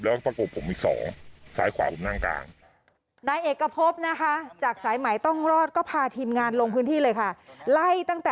แล้วก็ประกบผมอีก๒สายขวาผมนั่งกลาง